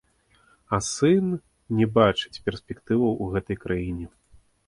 А сын не бачыць перспектыў у гэтай краіне.